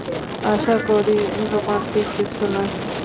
আশা করি, রোমান্টিক কিছু নয়।